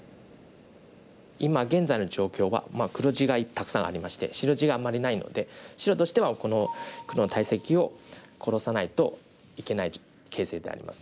今現在の状況は黒地がたくさんありまして白地があんまりないので白としてはこの黒の大石を殺さないといけない形勢でありますね。